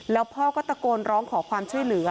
แล้วพ่อก็ตะโกนร้องขอความช่วยเหลือ